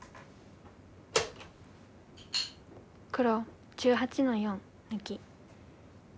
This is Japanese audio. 黒１８の四抜き。